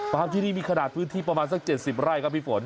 ฟาร์มที่นี่มีขนาดพื้นที่ประมาณสักเจ็ดสิบไร่ครับพี่ฝน